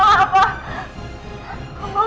kalau jadi seekor